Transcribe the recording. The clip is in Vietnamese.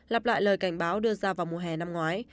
lặp lại lời cảnh báo đưa ra vào mùa hè năm ngoái